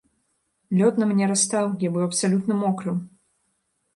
Лёд на мне растаў, я быў абсалютна мокрым.